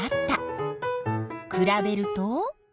くらべると？